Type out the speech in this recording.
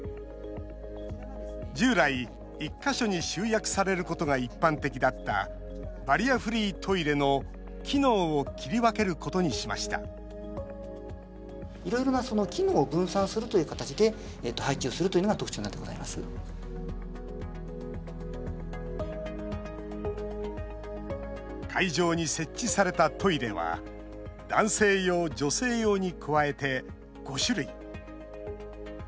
従来、１か所に集約されることが一般的だったバリアフリートイレの機能を切り分けることにしました会場に設置されたトイレは男性用、女性用に加えて５種類。